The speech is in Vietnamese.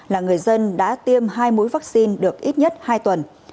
là người dân đã tiêm hai mũi vaccine được ít nhất hai tuần